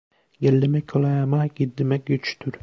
Gel demek kolay ama git demek güçtür.